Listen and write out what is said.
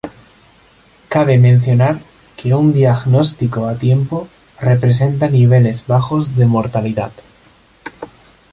Cabe mencionar que un diagnóstico a tiempo representa niveles bajos de mortalidad.